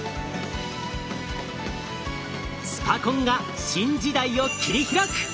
スパコンが新時代を切り開く！